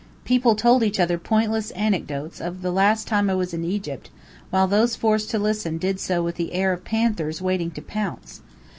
People told each other pointless anecdotes of "the last time I was in Egypt," while those forced to listen did so with the air of panthers waiting to pounce.